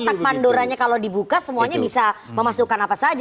karena kan kotak mandoranya kalau dibuka semuanya bisa memasukkan apa saja